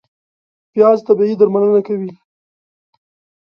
پیاز طبیعي درملنه کوي